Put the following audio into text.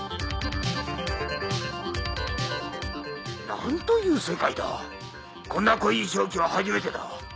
何という世界だこんな濃い瘴気は初めてだ。